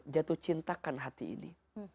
jatuh cintakan hati ini